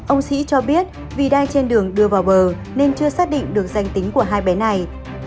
ông sĩ cho biết vì đang trên đường đưa vào bờ nên chưa xác định được danh tính của hai bé này